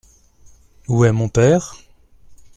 Où est mon père ?